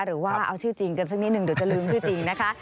หรือว่าเอาชื่อจริงกันสักนิดนึงเดี๋ยวจะลืมชื่อจริงนะคะ